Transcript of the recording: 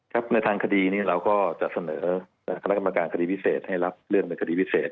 ในทางคดีนี้เราก็จะเสนอคณะกรรมการคดีพิเศษให้รับเรื่องในคดีพิเศษ